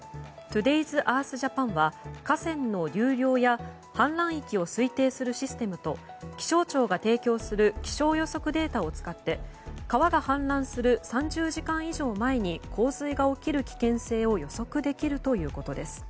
’ｓＥａｒｔｈ‐Ｊａｐａｎは河川の流量や氾濫域を推定するシステムと気象庁が提供する気象予測データを使って川が氾濫する３０時間以上前に洪水が起こる危険性を予測できるということです。